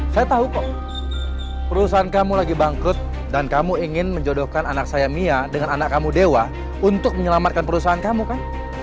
saya tahu kok perusahaan kamu lagi bangkrut dan kamu ingin menjodohkan anak saya mia dengan anak kamu dewa untuk menyelamatkan perusahaan kamu kan